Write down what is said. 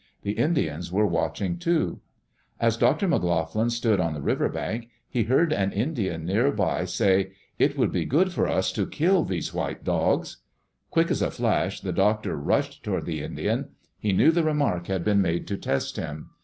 The Indians were watching too. As Dr. McLoughlin stood on the river bank, he heard an Indian near by say, "It would be good for us to kill these white dogs." Quick as a flash, the Doctor rushed toward the Indian. He knew the remark had been made to test him.